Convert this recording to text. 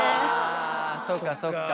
あぁそっかそっか。